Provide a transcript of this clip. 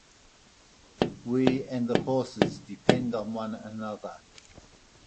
We and the horses depend on one another.